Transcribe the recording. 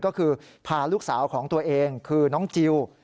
ก็คือพาลูกสาวของตัวเองคือน้องจิล